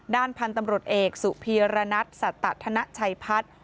ด้านพันธุ์ตำรวจเอกสุพีรณัทสัตธนชัยพัฒน์